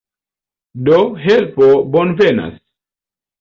Do, helpo bonvenas.